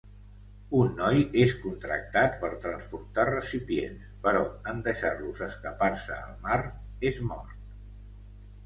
Un noi és contractat per transportar recipients, però en deixar-los escapar-se al mar, és mort.